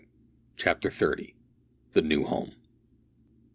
CHAPTER THIRTY. THE NEW HOME.